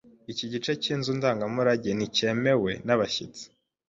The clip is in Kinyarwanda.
Iki gice cyinzu ndangamurage nticyemewe nabashyitsi.